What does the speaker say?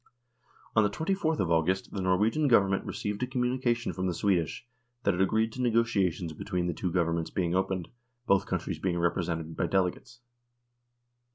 THE DISSOLUTION OF THE UNION 145 On the 24th of August the Norwegian Government received a communication from the Swedish, that it agreed to negotiations between the two Governments being opened, both countries being represented by delegates.